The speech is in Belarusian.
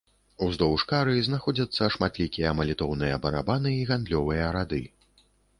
Уздоўж кары знаходзяцца шматлікія малітоўныя барабаны і гандлёвыя рады.